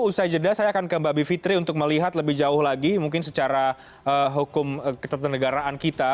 usai jeda saya akan ke mbak bivitri untuk melihat lebih jauh lagi mungkin secara hukum ketetanegaraan kita